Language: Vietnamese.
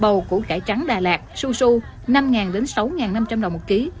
bầu củ cải trắng đà lạt su su năm sáu năm trăm linh đồng một kg